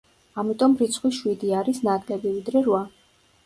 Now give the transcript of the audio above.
ამიტომ რიცხვი შვიდი არის ნაკლები, ვიდრე რვა.